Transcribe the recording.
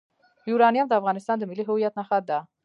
یورانیم د افغانستان د ملي هویت نښه ده.